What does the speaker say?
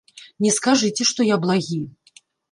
Не скажыце, што я благі.